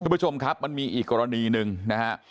คุณผู้ชมครับมันมีอีกกรณีหนึ่งนะฮะ